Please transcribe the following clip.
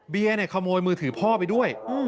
เบียร์เนี่ยขโมยมือถือพ่อไปด้วย